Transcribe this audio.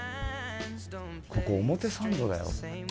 ここ、表参道だよ？